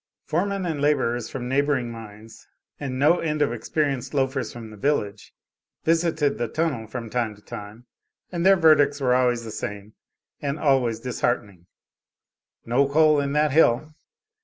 Foremen and laborers from neighboring mines, and no end of experienced loafers from the village, visited the tunnel from time to time, and their verdicts were always the same and always disheartening "No coal in that hill."